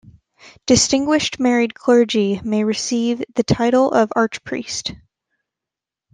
Distinguished married clergy may receive the title of archpriest.